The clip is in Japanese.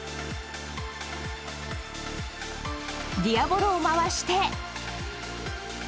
ディアボロを回して。